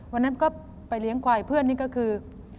วันนั้นก็ไปเลี้ยงควายเพื่อนนี่ก็คือ